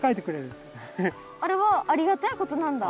あれはありがたいことなんだ？